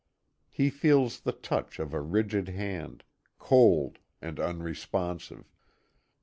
He feels the touch of a rigid hand, cold and unresponsive.